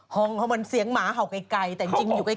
ห้องเขามันเสียงหมาเห่าไกลแต่จริงอยู่ใกล้